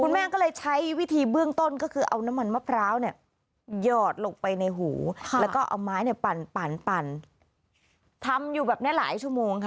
ไม้เนี่ยปั่นปั่นปั่นทำอยู่แบบนี้หลายชั่วโมงค่ะ